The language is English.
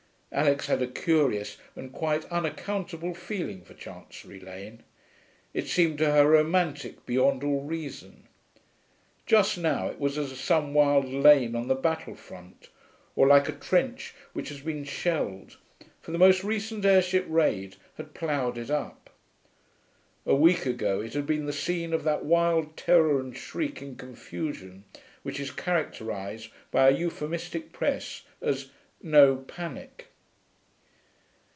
Alix had a curious and quite unaccountable feeling for Chancery Lane. It seemed to her romantic beyond all reason. Just now it was as some wild lane on the battle front, or like a trench which has been shelled, for the most recent airship raid had ploughed it up. A week ago it had been the scene of that wild terror and shrieking confusion which is characterised by a euphemistic press as 'no panic.'